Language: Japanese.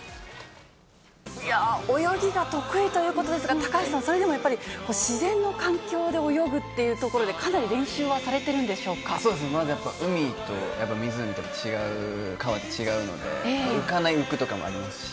泳ぎが得意ということですが、高橋さん、それでもやっぱり、自然の環境で泳ぐっていうところで、かなり練習はされてるんでしそうですね、まずやっぱり、海と、やっぱ湖と、川で違うので、浮かない、浮くとかもありますし。